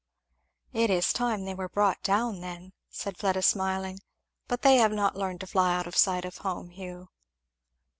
"It is time they were brought down then," said Fleda smiling; "but they have not learned to fly out of sight of home, Hugh."